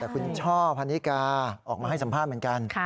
แต่คุณช่อพันนิกาออกมาให้สัมภาษณ์เหมือนกัน